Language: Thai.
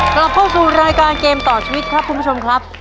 กลับเข้าสู่รายการเกมต่อชีวิตครับคุณผู้ชมครับ